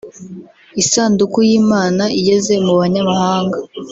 Isanduku y’Imana igeze mu banyamahanga